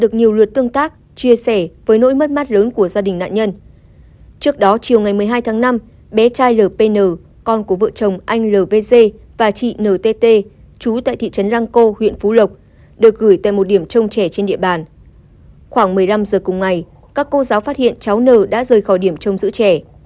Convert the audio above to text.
các cô giáo phát hiện cháu n đã rời khỏi điểm trông giữ trẻ